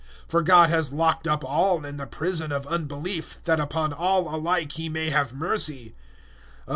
011:032 For God has locked up all in the prison of unbelief, that upon all alike He may have mercy.